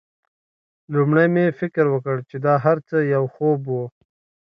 لومړی مې فکر وکړ چې دا هرڅه یو خوب و